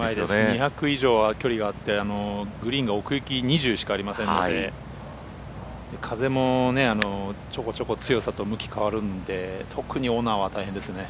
２００以上は距離があってグリーンが奥行き２０しかありませんので風もちょこちょこ強さと向きが変わるので特にオナーは大変ですね。